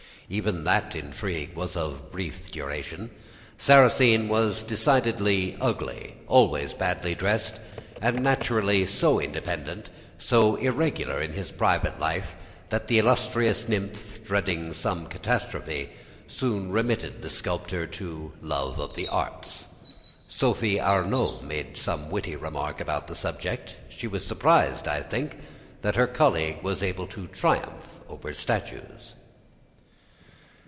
Even that intrigue was of brief duration. Sarrasine was decidedly ugly, always badly dressed, and naturally so independent, so irregular in his private life, that the illustrious nymph, dreading some catastrophe, soon remitted the sculptor to love of the arts. Sophie Arnould made some witty remark on the subject. She was surprised, I think, that her colleague was able to triumph over statues.